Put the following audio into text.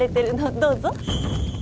どうぞ。